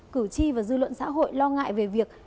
cử tri và dư luận xã hội lo ngại về việc